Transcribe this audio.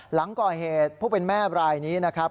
หลังก่อเหตุผู้เป็นแม่บรายนี้นะครับ